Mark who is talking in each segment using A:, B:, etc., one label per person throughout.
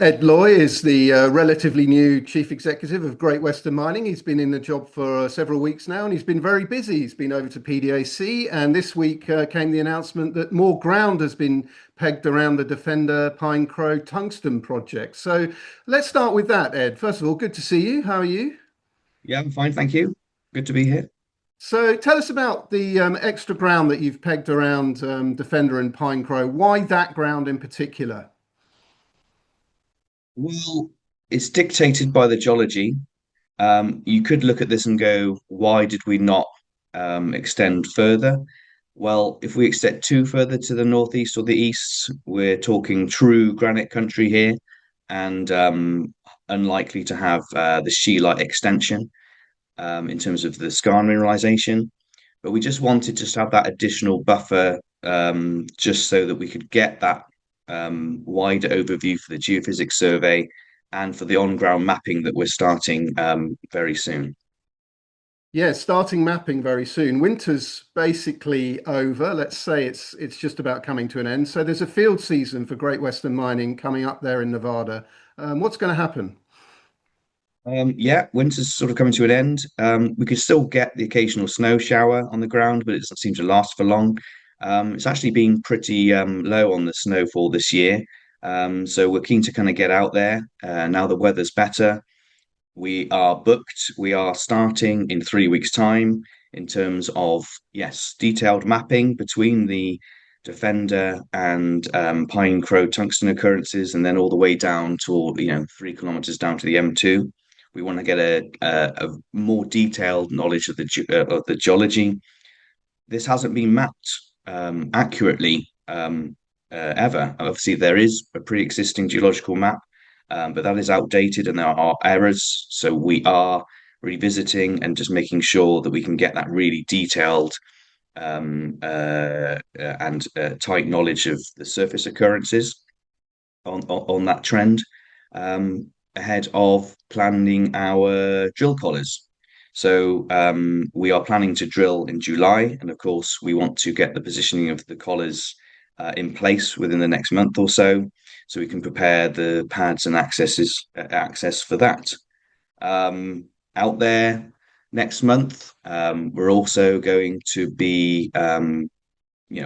A: Ed Loye is the relatively new Chief Executive of Great Western Mining. He's been in the job for several weeks now, and he's been very busy. He's been over to PDAC, and this week came the announcement that more ground has been pegged around the Defender-Pine Crow tungsten project. Let's start with that Ed. First of all, good to see you. How are you?
B: Yeah, I'm fine, thank you. Good to be here.
A: Tell us about the extra ground that you've pegged around Defender and Pine Crow. Why that ground in particular?
B: Well, it's dictated by the geology. You could look at this and go, why did we not extend further? Well, if we extend too further to the northeast or the east, we're talking true granite country here, and unlikely to have the scheelite extension in terms of the skarn mineralization. We just wanted to have that additional buffer. Just so that we could get that wide overview for the geophysics survey and for the on-ground mapping that we're starting very soon.
A: Yeah, starting mapping very soon. Winter's basically over. Let's say it's just about coming to an end. So there's a field season for Great Western Mining coming up there in Nevada. What's going to happen?
B: Yeah. Winter's sort of coming to an end. We could still get the occasional snow shower on the ground, but it doesn't seem to last for long. It's actually been pretty low on the snowfall this year. So, we're keen to kind of get out there now the weather's better. We are booked. We are starting in three weeks' time in terms of, yes, detailed mapping between the Defender and Pine Crow tungsten occurrences, and then all the way down toward three kilometers down to the M2. We want to get a more detailed knowledge of the geology. This hasn't been mapped accurately ever. Obviously, there is a preexisting geological map but that is outdated and there are errors. So, we are revisiting and just making sure that we can get that really detailed and tight knowledge of the surface occurrences on that trend ahead of planning our drill collars. We are planning to drill in July, and of course, we want to get the positioning of the collars in place within the next month. So, we can prepare the pads and access for that out there next month,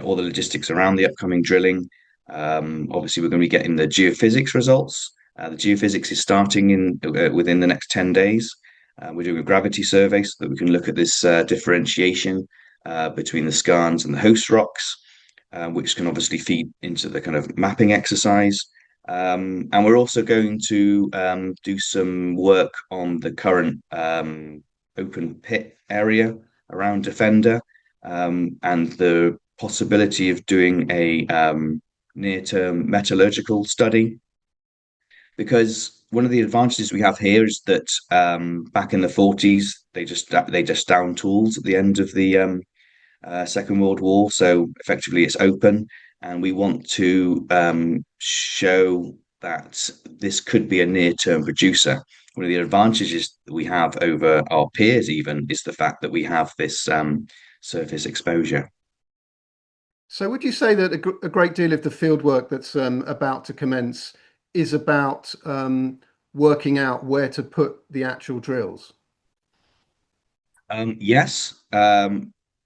B: all the logistics around the upcoming drilling, obviously, we're going to be getting the geophysics results. The geophysics is starting within the next 10 days. We're doing gravity surveys, that we can look at this differentiation between the skarns and the host rocks, which can obviously feed into the kind of mapping exercise. We're also going to do some work on the current open pit area around Defender, and the possibility of doing a near-term metallurgical study. Because one of the advantages we have here is that back in the '40s, they just downed tools at the end of the Second World War. So effectively it's open and we want to show that this could be a near-term producer. One of the advantages that we have over our peers even is the fact that we have this surface exposure.
A: Would you say that a great deal of the fieldwork that's about to commence is about working out where to put the actual drills?
B: Yes.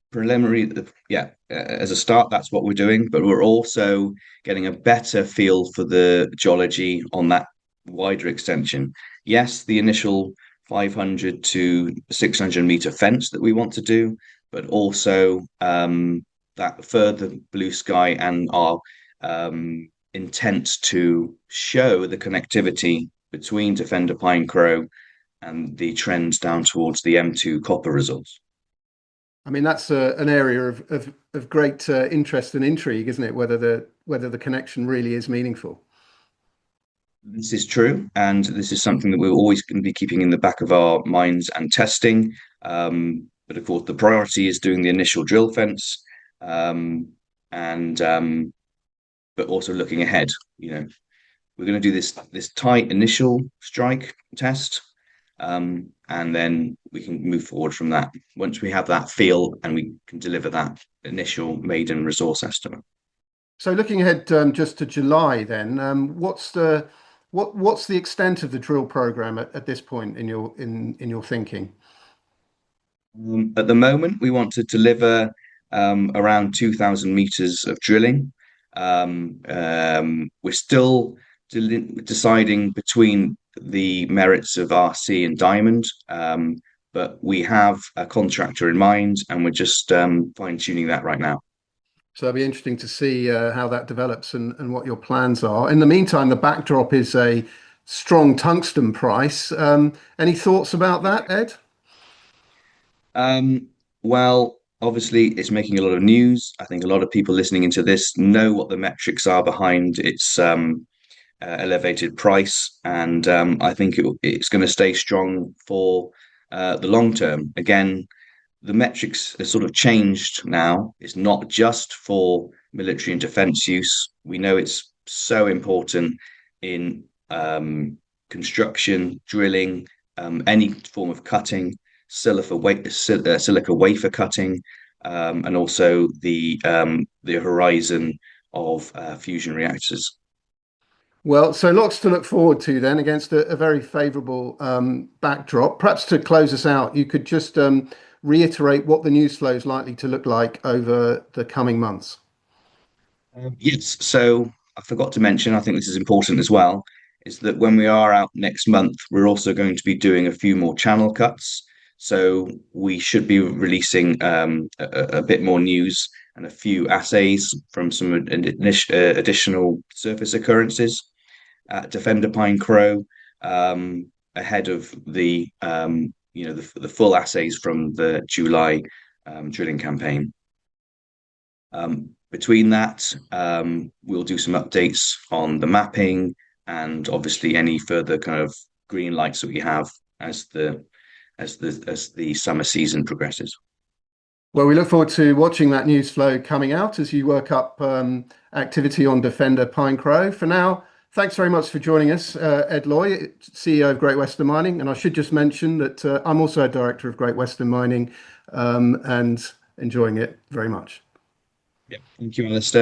B: Preliminary, yeah. As a start, that's what we're doing but we're also getting a better feel for the geology on that wider extension. Yes, the initial 500 m-600 m fence that we want to do, but also that further blue sky and our intent to show the connectivity between Defender and Pine Crow and the trends down towards the M2 copper results.
A: That's an area of great interest and intrigue. Isn't it whether the connection really is meaningful?
B: This is true, and this is something that we're always going to be keeping in the back of our minds and testing. Of course, the priority is doing the initial drill fence. Also looking ahead, we're going to do this tight initial strike test, and then we can move forward from that once we have that feel, and we can deliver that initial maiden resource estimate.
A: Looking ahead just to July then, what's the extent of the drill program at this point in your thinking?
B: At the moment, we want to deliver around 2,000 m of drilling. We're still deciding between the merits of RC and diamond. We have a contractor in mind, and we're just fine-tuning that right now.
A: That'll be interesting to see how that develops and what your plans are in the meantime, the backdrop is a strong tungsten price. Any thoughts about that, Ed?
B: Well, obviously it's making a lot of news. I think a lot of people listening into this know what the metrics are behind its elevated price, and I think it's going to stay strong for the long term. Again, the metrics have sort of changed now. It's not just for military and defense use. We know it's so important in construction, drilling, any form of cutting, silica wafer cutting, and also the horizon of fusion reactors.
A: Well, lots to look forward to then, against a very favorable backdrop. Perhaps to close us out, you could just reiterate what the news flow is likely to look like over the coming months.
B: Yes. I forgot to mention, I think this is important as well, is that when we are out next month, we're also going to be doing a few more channel cuts. We should be releasing a bit more news and a few assays from some additional surface occurrences at Defender-Pine Crow, ahead of the full assays from the July drilling campaign. Between that, we'll do some updates on the mapping, and obviously any further kind of green lights that we have as the summer season progresses.
A: Well, we look forward to watching that news flow coming out as you work up activity on Defender-Pine Crow. For now, thanks very much for joining us, Ed Loye, CEO of Great Western Mining. I should just mention that I'm also a Director of Great Western Mining, and enjoying it very much.
B: Yeah. Thank you, Alastair.